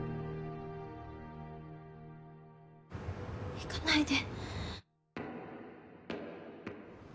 行かないで。